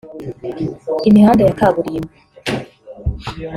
Imihanda ya kaburimbo